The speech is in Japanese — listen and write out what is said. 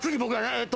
えっと。